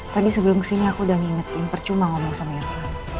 tadi sebelum kesini aku udah ngingetin percuma ngomong sama yang